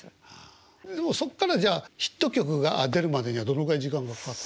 でもそっからじゃあヒット曲が出るまでにはどのくらい時間がかかった。